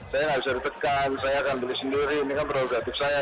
saya nggak bisa ditekan saya akan beli sendiri ini kan prerogatif saya